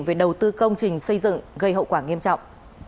về đầu tư công trình xây dựng gây hậu quả nghiêm trọng